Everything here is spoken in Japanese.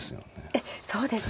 えっそうですか。